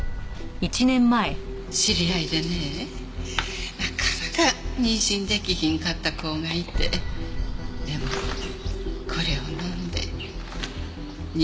知り合いでねなかなか妊娠出来ひんかった子がいてでもこれを飲んで妊娠したんやそうな。